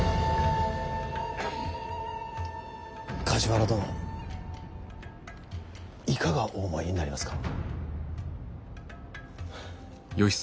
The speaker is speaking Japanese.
梶原殿いかがお思いになりますか。